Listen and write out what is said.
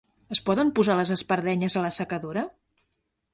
Es poden posar les espardenyes a l'assecadora?